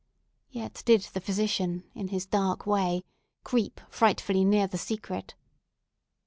Yet did the physician, in his dark way, creep frightfully near the secret.